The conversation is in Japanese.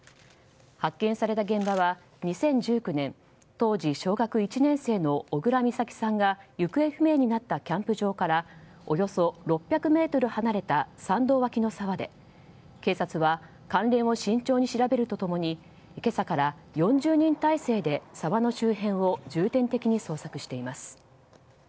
発見された現場は２０１９年、当時小学１年生の小倉美咲さんが行方不明になったキャンプ場からおよそ６００ｍ離れた山道脇の沢で警察は関連を慎重に調べると共に今朝から４０人態勢で沢の周辺を重点的に捜索しています。